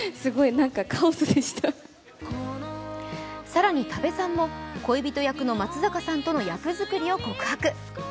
更に多部さんも、恋人役の松坂さんとの役づくりを告白。